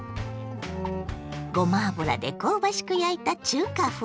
ごま油で香ばしく焼いた中華風ソテー。